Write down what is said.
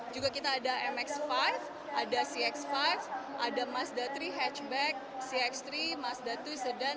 juga kita ada mx lima ada cx lima ada mazda tiga hatchback cx tiga mazda dua sedan